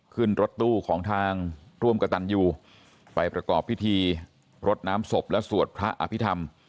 ขึ้นรถตู้ของทางร่วมกระตันยูไปประกอบพิธีรดน้ำศพและสวดพระอภิษฐรรม